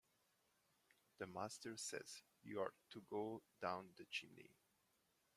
The master says you’re to go down the chimney!